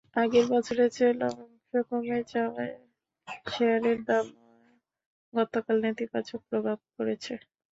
আগের বছরের চেয়ে লভ্যাংশ কমে যাওয়ায় শেয়ারের দামেও গতকাল নেতিবাচক প্রভাব পড়েছে।